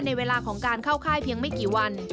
ในเวลาของการเข้าค่ายเพียงไม่กี่วัน